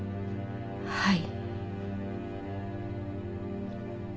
はい。